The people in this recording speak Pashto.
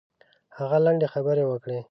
هغه لنډې خبرې وکړې.